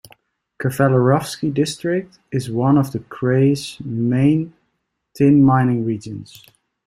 Kavalerovsky District is one of the krai's main tin mining regions.